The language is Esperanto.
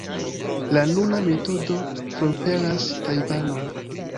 La nuna metodo forpelas Tajvanon.